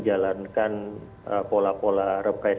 jadi saya pikir ini adalah strategi yang harus diperhatikan